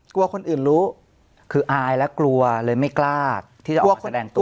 กลัวคนอื่นรู้คืออายและกลัวเลยไม่กล้าที่จะออกมาแสดงตัว